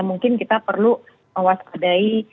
mungkin kita perlu waspadai